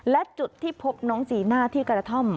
และจุดที่พบน้องจีน่าที่กระท่อม